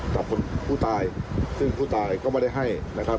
กับคนผู้ตายซึ่งผู้ตายก็ไม่ได้ให้นะครับ